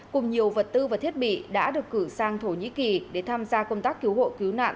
cùng nhiều vật tư và thiết bị đã được cử sang thổ nhĩ kỳ để tham gia công tác cứu hộ cứu nạn